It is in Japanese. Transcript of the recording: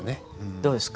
どうですか。